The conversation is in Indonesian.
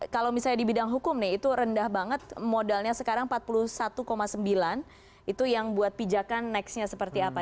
kalau misalnya di bidang hukum nih itu rendah banget modalnya sekarang empat puluh satu sembilan itu yang buat pijakan nextnya seperti apa